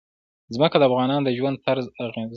ځمکه د افغانانو د ژوند طرز اغېزمنوي.